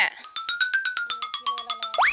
กิโลละน้อย